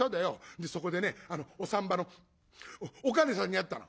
でそこでねお産婆のおかねさんに会ったの」。